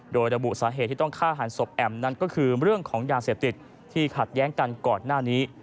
โดยระบุสาเหตุที่ต้องฆ่าหันศพแอมนั้นก็คือเรื่องของยาเสพติดที่ขัดแย้งกันก่อนหน้านี้